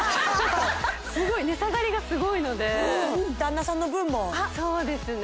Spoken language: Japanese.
すごい値下がりがすごいので旦那さんの分もそうですね